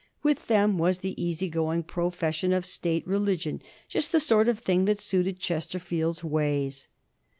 With them was the easy going profession of State religion — ^just the sort of thing that suited Chesterfield's ways.